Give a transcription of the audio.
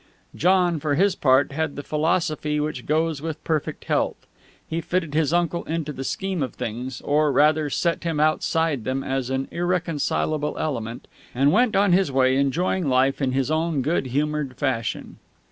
John, for his part, had the philosophy which goes with perfect health. He fitted his uncle into the scheme of things, or, rather, set him outside them as an irreconcilable element, and went on his way enjoying life in his own good humored fashion.